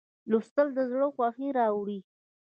لوستل د زړه خوښي راوړي.